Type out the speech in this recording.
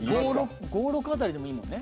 ５６あたりでもいいもんね